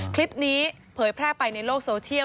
เผยแพร่ไปในโลกโซเชียล